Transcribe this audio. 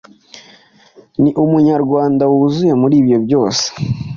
ni Umunyarwanda wuzuye.muri byose